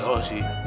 oh sih oh sih